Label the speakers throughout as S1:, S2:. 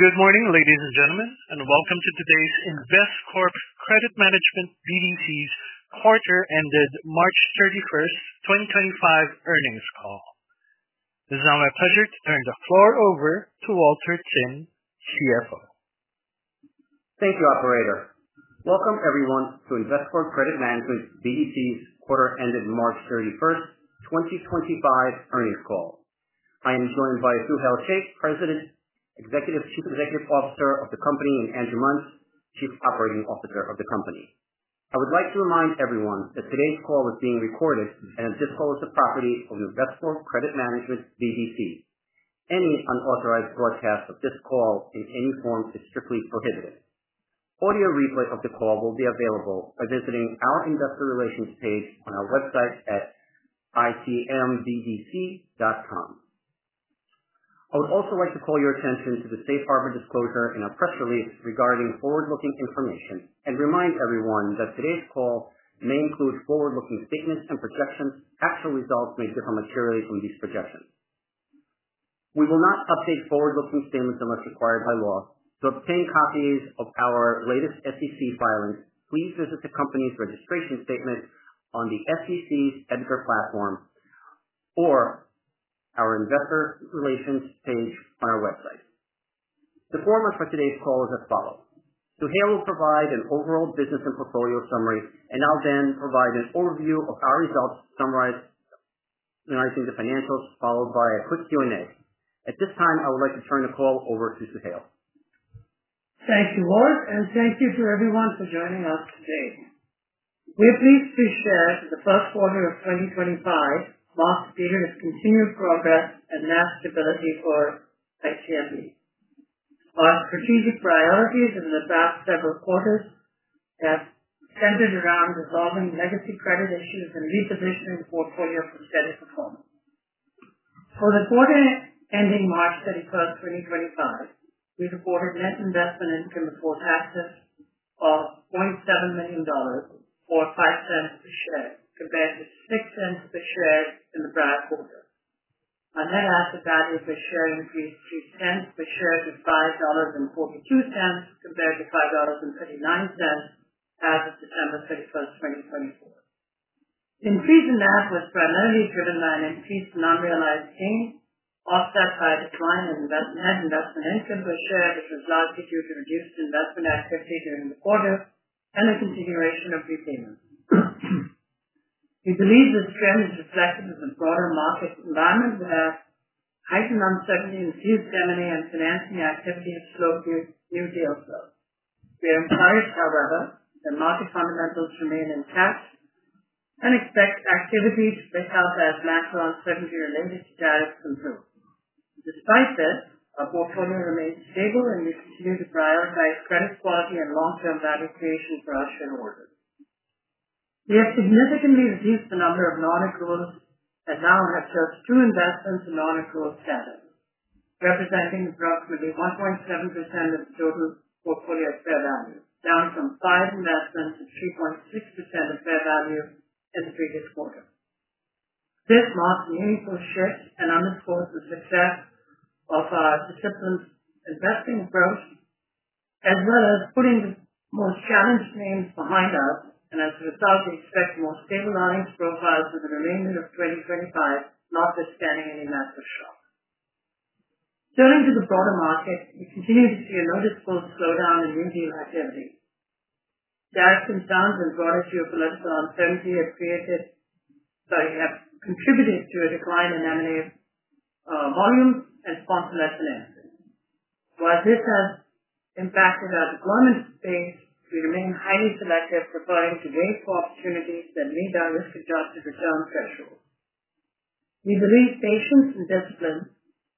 S1: Good morning, ladies and gentlemen, and welcome to today's Investcorp Credit Management BDC's quarter-ended March 31, 2025 earnings call. It is now my pleasure to turn the floor over to Walter Tsin, CFO.
S2: Thank you, Operator. Welcome, everyone, to Investcorp Credit Management BDC's quarter-ended March 31, 2025 earnings call. I am joined by Suhail Shaikh, President, Executive Chief Executive Officer of the company, and Andrew Muns, Chief Operating Officer of the company. I would like to remind everyone that today's call is being recorded and that this call is the property of Investcorp Credit Management BDC. Any unauthorized broadcast of this call in any form is strictly prohibited. Audio replay of the call will be available by visiting our investor relations page on our website at icmbdc.com. I would also like to call your attention to the Safe Harbor Disclosure in our press release regarding forward-looking information and remind everyone that today's call may include forward-looking statements and projections. Actual results may differ materially from these projections. We will not update forward-looking statements unless required by law. To obtain copies of our latest SEC filings, please visit the company's registration statement on the SEC's EDGAR platform or our investor relations page on our website. The format for today's call is as follows. Suhail will provide an overall business and portfolio summary, and I'll then provide an overview of our results summarizing the financials, followed by a quick Q&A. At this time, I would like to turn the call over to Suhail.
S3: Thank you, Walt, and thank you to everyone for joining us today. We're pleased to share that the first quarter of 2025 marks a period of continued progress and mass stability for ICMB. Our strategic priorities in the past several quarters have centered around resolving legacy credit issues and repositioning the portfolio for steady performance. For the quarter ending March 31, 2025, we reported net investment income before taxes of $0.7 million or $0.05 per share, compared with $0.06 per share in the prior quarter. Our net asset value per share increased $0.10 per share to $5.42, compared to $5.39 as of December 31, 2024. The increase in that was primarily driven by an increased non-realized gain, offset by a decline in net investment income per share, which was largely due to reduced investment activity during the quarter and the continuation of repayments. We believe this trend is reflective of the broader market environment, where heightened uncertainty in future M&A and financing activity have slowed new deal flow. We are encouraged, however, that market fundamentals remain intact and expect activity to play out as natural uncertainty related to tariffs improves. Despite this, our portfolio remains stable, and we continue to prioritize credit quality and long-term value creation for our shareholders. We have significantly reduced the number of non-accruals and now have just two investments in non-accrual categories, representing approximately 1.7% of the total portfolio's fair value, down from five investments to 3.6% of fair value in the previous quarter. This marks a meaningful shift and underscores the success of our disciplined investing approach, as well as putting the most challenged names behind us, and as a result, we expect more stable earnings profiles for the remainder of 2025, notwithstanding any massive shock. Turning to the broader market, we continue to see a noticeable slowdown in new deal activity. Tariffs in France and broader geopolitical uncertainty have contributed to a decline in M&A volumes and sponsorless financing. While this has impacted our deployment space, we remain highly selective, preferring to wait for opportunities that meet our risk-adjusted return thresholds. We believe patience and discipline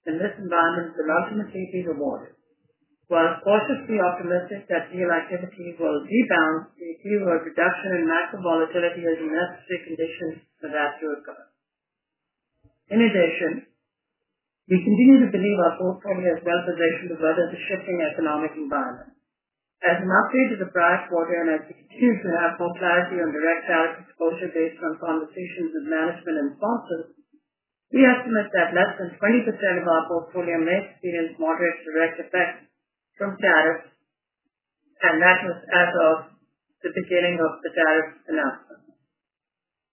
S3: in this environment will ultimately be rewarded. While cautiously optimistic that deal activity will rebound, we view a reduction in macro volatility as a necessary condition for that to occur. In addition, we continue to believe our portfolio is well-positioned to weather the shifting economic environment. As an update to the prior quarter and as we continue to have more clarity on direct tariff exposure based on conversations with management and sponsors, we estimate that less than 20% of our portfolio may experience moderate direct effects from tariffs, and that was as of the beginning of the tariff announcement.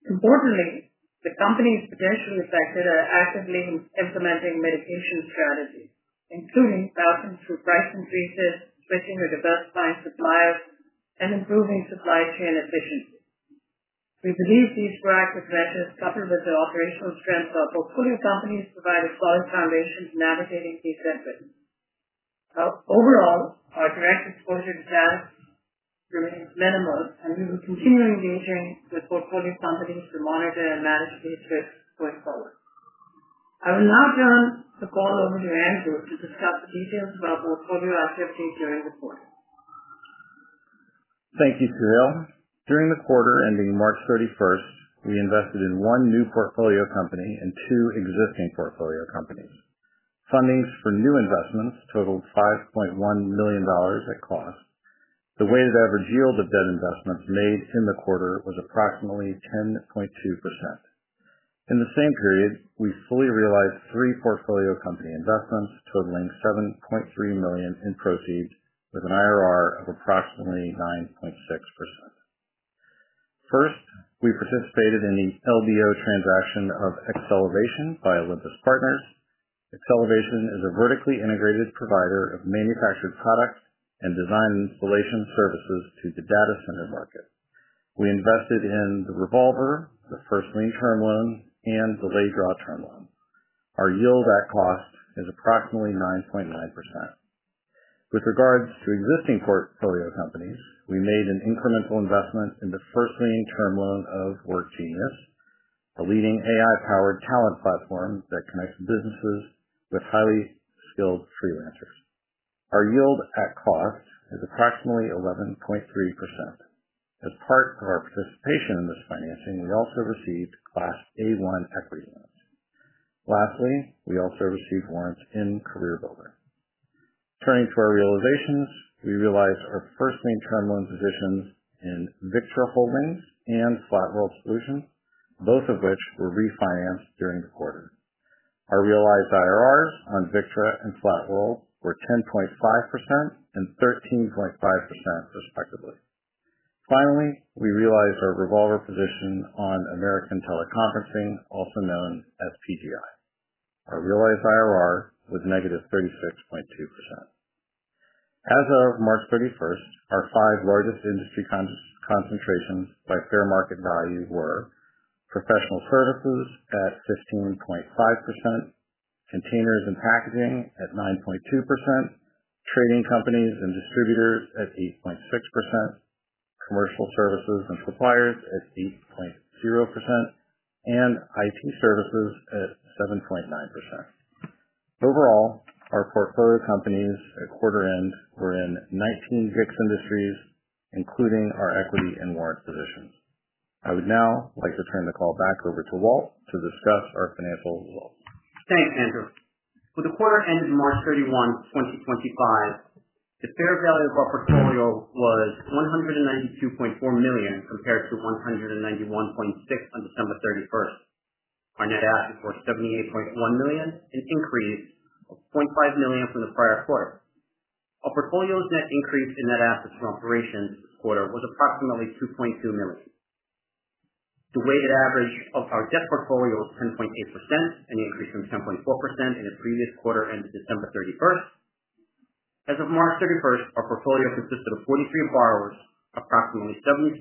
S3: Importantly, the companies potentially affected are actively implementing mitigation strategies, including routing through price increases, switching or diversifying suppliers, and improving supply chain efficiency. We believe these proactive measures, coupled with the operational strength of our portfolio companies, provide a solid foundation for navigating these headwinds. Overall, our direct exposure to tariffs remains minimal, and we will continue engaging with portfolio companies to monitor and manage these risks going forward. I will now turn the call over to Andrew to discuss the details of our portfolio activity during the quarter.
S4: Thank you, Suhail. During the quarter ending March 31, we invested in one new portfolio company and two existing portfolio companies. Funding for new investments totaled $5.1 million at cost. The weighted average yield of debt investments made in the quarter was approximately 10.2%. In the same period, we fully realized three portfolio company investments totaling $7.3 million in proceeds, with an IRR of approximately 9.6%. First, we participated in the LBO transaction of Xcellavation by Olympus Partners. Xcellavation is a vertically integrated provider of manufactured product and design installation services to the data center market. We invested in the revolver, the first lien term loan, and the delayed draw term loan. Our yield at cost is approximately 9.9%. With regards to existing portfolio companies, we made an incremental investment in the first lien term loan of WorkGenius, a leading AI-powered talent platform that connects businesses with highly skilled freelancers. Our yield at cost is approximately 11.3%. As part of our participation in this financing, we also received Class A1 equity loans. Lastly, we also received warrants in CareerBuilder. Turning to our realizations, we realized our First Lien Term Loan positions in Victra Holdings and Flatworld Solutions, both of which were refinanced during the quarter. Our realized IRRs on Victra and Flatworld were 10.5% and 13.5%, respectively. Finally, we realized our Revolver position on American Teleconferencing, also known as PTI, our realized IRR was negative 36.2%. As of March 31st, our five largest industry concentrations by fair market value were professional services at 15.5%, containers and packaging at 9.2%, trading companies and distributors at 8.6%, commercial services and suppliers at 8.0%, and IT services at 7.9%. Overall, our portfolio companies at quarter-end were in 19 SIC industries, including our equity and warrant positions. I would now like to turn the call back over to Walt to discuss our financial results.
S2: Thanks, Andrew. With the quarter ended March 31, 2025, the fair value of our portfolio was $192.4 million compared to $191.6 million on December 31. Our net assets were $78.1 million, an increase of $0.5 million from the prior quarter. Our portfolio's net increase in net assets from operations this quarter was approximately $2.2 million. The weighted average of our debt portfolio was 10.8%, an increase from 10.4% in the previous quarter ended December 31. As of March 31, our portfolio consisted of 43 borrowers. Approximately 77%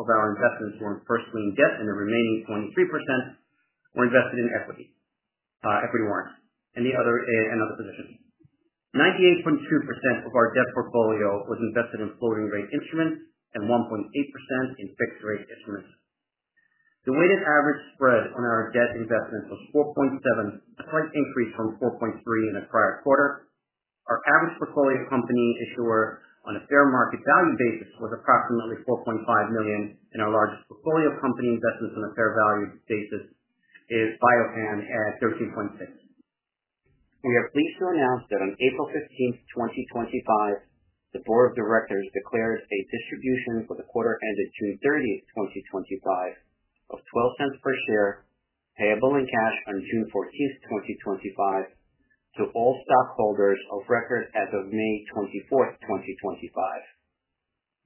S2: of our investments were in first lien debt, and the remaining 23% were invested in equity warrants and other positions. 98.2% of our debt portfolio was invested in floating-rate instruments and 1.8% in fixed-rate instruments. The weighted average spread on our debt investments was 4.7%, a slight increase from 4.3% in the prior quarter. Our average portfolio company issuer on a fair market value basis was approximately $4.5 million, and our largest portfolio company investment on a fair value basis is BioPan at 13.6%. We are pleased to announce that on April 15th, 2025, the Board of Directors declared a distribution for the quarter-ended June 30th, 2025, of $0.12 per share, payable in cash on June 14th, 2025, to all stockholders of record as of May 24th, 2025.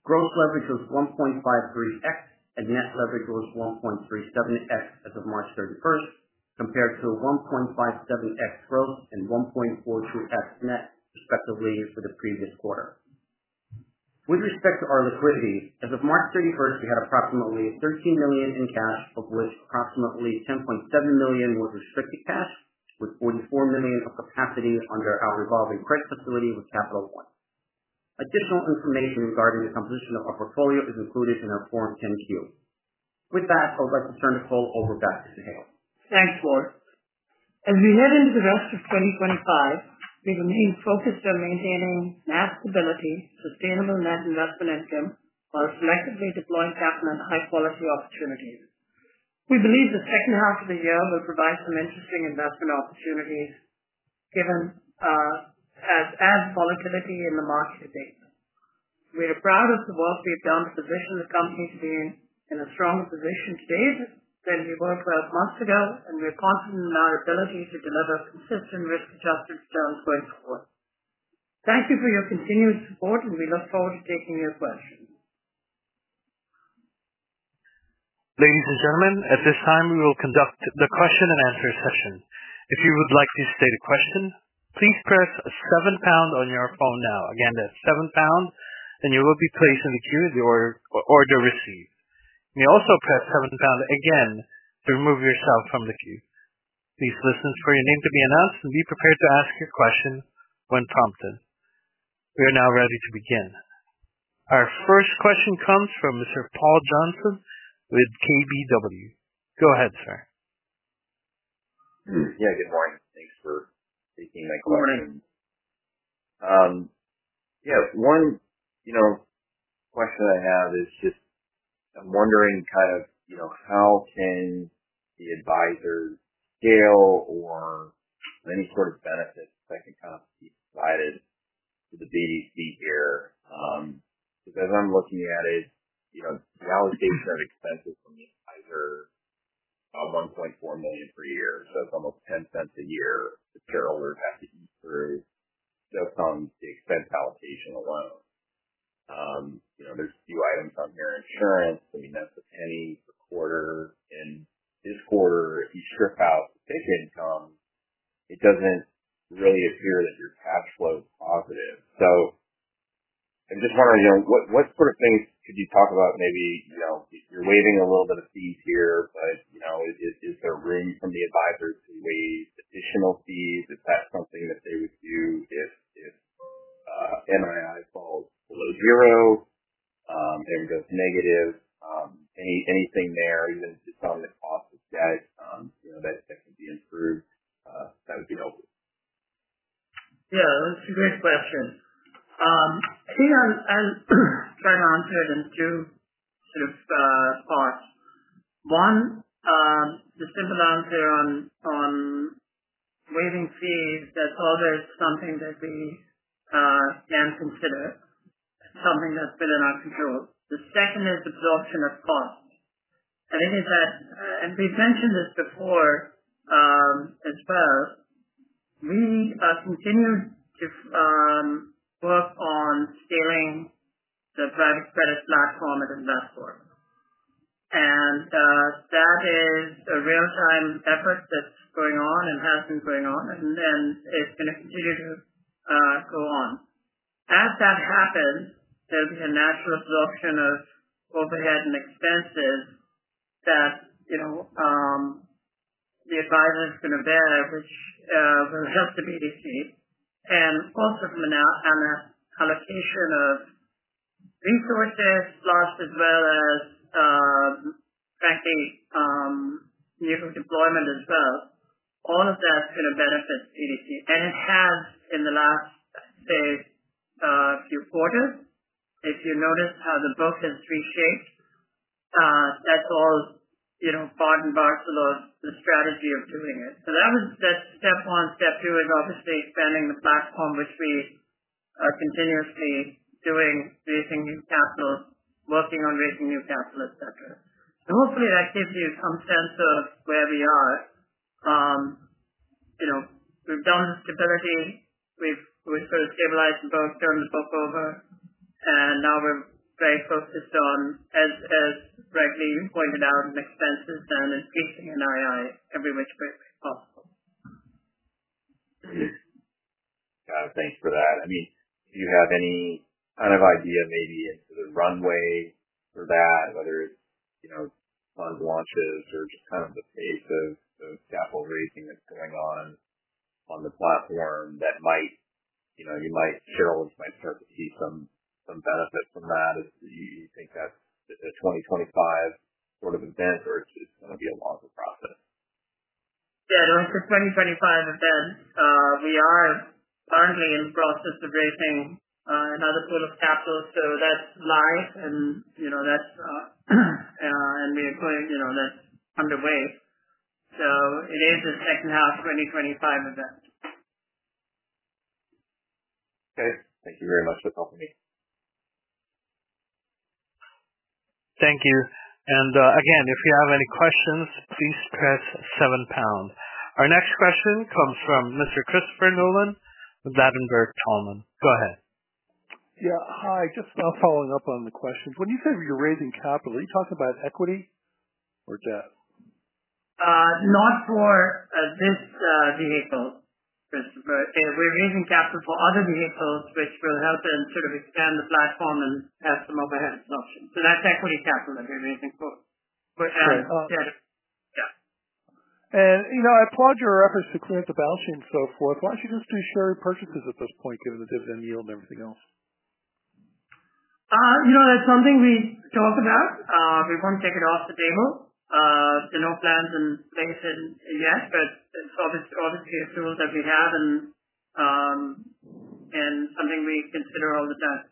S2: Gross leverage was 1.53X, and net leverage was 1.37X as of March 31st, compared to a 1.57X gross and 1.42X net, respectively, for the previous quarter. With respect to our liquidity, as of March 31st, we had approximately $13 million in cash, of which approximately $10.7 million was restricted cash, with $44 million of capacity under our revolving credit facility with Capital One. Additional information regarding the composition of our portfolio is included in our Form 10-Q. With that, I would like to turn the call over back to Suhail.
S3: Thanks, Walt. As we head into the rest of 2025, we remain focused on maintaining mass stability, sustainable net investment income, while selectively deploying capital in high-quality opportunities. We believe the second half of the year will provide some interesting investment opportunities given as volatility in the market is evident. We are proud of the work we've done to position the company to be in a stronger position today than we were 12 months ago, and we're confident in our ability to deliver consistent risk-adjusted returns going forward. Thank you for your continued support, and we look forward to taking your questions.
S1: Ladies and gentlemen, at this time, we will conduct the question-and-answer session. If you would like to state a question, please press seven pound on your phone now. Again, that's seven pound, and you will be placed in the queue at the order received. You may also press seven pound again to remove yourself from the queue. Please listen for your name to be announced and be prepared to ask your question when prompted. We are now ready to begin. Our first question comes from Mr. Paul Johnson with KBW. Go ahead, sir.
S5: Yeah, good morning. Thanks for taking my question.
S1: Good morning.
S5: Yeah, one question I have is just I'm wondering kind of how can the advisors scale or any sort of benefits that can kind of be provided to the BDC here? Because as I'm looking at it, the allocation of expenses from the advisor is $1.4 million per year, so it's almost $0.10 a year that shareholders have to eat through just on the expense allocation alone. There's a few items on here. Insurance, I mean, that's a penny per quarter. In this quarter, if you strip out the fixed income, it doesn't really appear that your cash flow is positive. I'm just wondering, what sort of things could you talk about? Maybe you're waiving a little bit of fees here, but is there room from the advisors to waive additional fees? Is that something that they would do if NII falls below zero and goes negative? Anything there, even just on the cost of debt, that can be improved, that would be helpful.
S3: Yeah, that's a great question. I think I'll try to answer it in two sort of parts. One, the simple answer on waiving fees, that's always something that we can consider, something that's within our control. The second is absorption of costs. And we've mentioned this before as well. We continue to work on scaling the private credit platform at Investcorp, and that is a real-time effort that's going on and has been going on, and it's going to continue to go on. As that happens, there'll be a natural absorption of overhead and expenses that the advisor is going to bear, which will help the BDC, and also from an allocation of resources plus as well as, frankly, new deployment as well. All of that's going to benefit the BDC, and it has in the last, say, few quarters. If you notice how the book has reshaped, that's all Barton Barks' strategy of doing it. That's step one. Step two is obviously expanding the platform, which we are continuously doing, raising new capital, working on raising new capital, etc. Hopefully that gives you some sense of where we are. We've done the stability. We've sort of stabilized the book, turned the book over, and now we're very focused on, as Greg Lee pointed out, expenses and increasing NII every which way possible.
S5: Yeah, thanks for that. I mean, do you have any kind of idea maybe into the runway for that, whether it's fund launches or just kind of the pace of capital raising that's going on on the platform that you might, shareholders might start to see some benefit from that? Do you think that's a 2025 sort of event, or is it going to be a longer process?
S3: Yeah, the 2025 event, we are currently in the process of raising another pool of capital, so that's live, and that's underway. It is the second half 2025 event.
S5: Okay. Thank you very much for helping me.
S1: Thank you. If you have any questions, please press seven pound. Our next question comes from Mr. Christopher Nolan with Ladenburg Thalmann. Go ahead.
S6: Yeah, hi. Just following up on the questions. When you say you're raising capital, are you talking about equity or debt?
S3: Not for this vehicle, Christopher. We're raising capital for other vehicles, which will help us sort of expand the platform and have some overhead absorption. That's equity capital that we're raising for.
S1: Sure.
S6: I applaud your efforts to clear out the balance sheet and so forth. Why do you not just do share purchases at this point, given the dividend yield and everything else?
S3: That's something we talk about. We won't take it off the table. There are no plans in place yet, but it's obviously a tool that we have and something we consider all the time.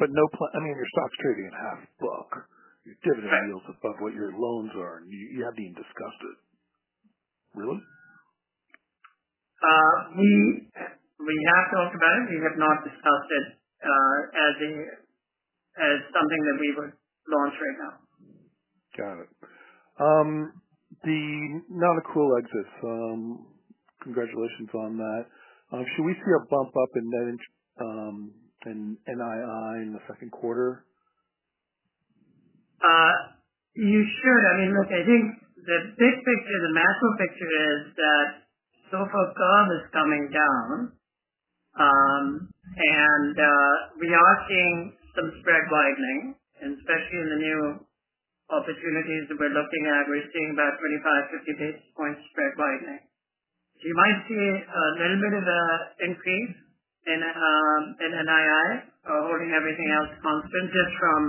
S6: I mean, your stock's trading at half book. Your dividend yield's above what your loans are, and you haven't even discussed it. Really?
S3: We have talked about it. We have not discussed it as something that we would launch right now.
S6: Got it. The Nana Cool exits. Congratulations on that. Should we see a bump up in NII in the second quarter?
S3: You should. I mean, look, I think the big picture, the macro picture is that so far gold is coming down, and we are seeing some spread widening, and especially in the new opportunities that we're looking at, we're seeing about 25-50 basis points spread widening. You might see a little bit of an increase in NII, holding everything else constant just from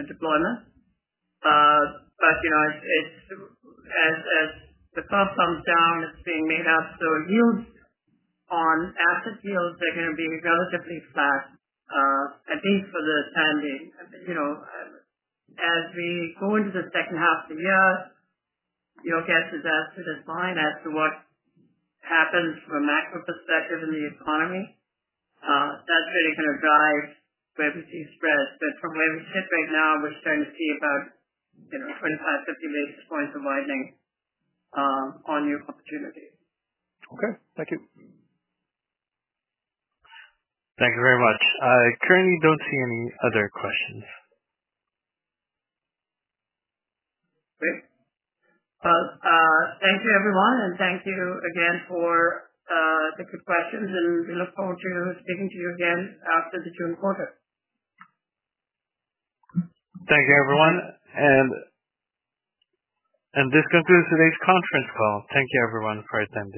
S3: the deployment. As the cost comes down, it's being made up. Yields on asset yields are going to be relatively flat, at least for the time being. As we go into the second half of the year, your guess is as good as mine as to what happens from a macro perspective in the economy. That's really going to drive where we see spreads. From where we sit right now, we're starting to see about 25-50 basis points of widening on new opportunities.
S6: Okay. Thank you.
S1: Thank you very much. I currently don't see any other questions.
S3: Great. Thank you, everyone, and thank you again for the good questions, and we look forward to speaking to you again after the June quarter.
S1: Thank you, everyone. This concludes today's conference call. Thank you, everyone, for your time.